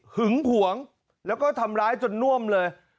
หึงหวงแล้วก็ทำร้ายจนน่วมเลย